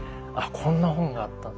こんな本があったんだ！